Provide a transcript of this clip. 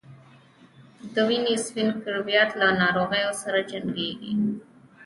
د وینې سپین کرویات له ناروغیو سره جنګیږي